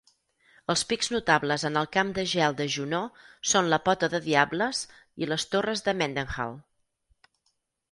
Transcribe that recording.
Els pics notables en el camp de gel de Juneau són la pota de diables i les torres de Mendenhall.